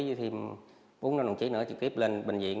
với thêm bốn đồng chí nữa trực tiếp lên bệnh viện